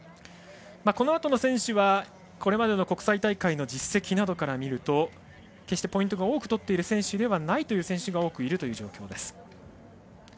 このあとの選手はこれまでの国際大会の実績などから見ると決してポイントを多く取っている選手ではないという選手が多くいるという状況です。